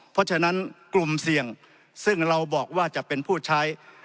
เพราะฉะนั้นกลุ่มเสี่ยงซึ่งเราบอกว่าจะเป็นผู้ใช้